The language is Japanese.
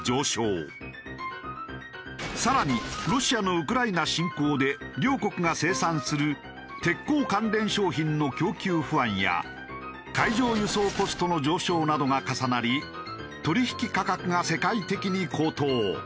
更にロシアのウクライナ侵攻で両国が生産する鉄鋼関連商品の供給不安や海上輸送コストの上昇などが重なり取引価格が世界的に高騰。